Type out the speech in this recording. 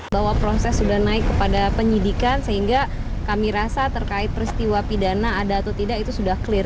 bahwa proses sudah naik kepada penyidikan sehingga kami rasa terkait peristiwa pidana ada atau tidak itu sudah clear